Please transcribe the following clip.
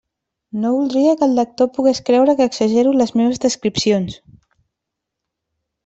No voldria que el lector pogués creure que exagero les meves descripcions.